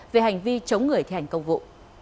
về hành vi chống người thi hành công vụ